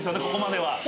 ここまでは。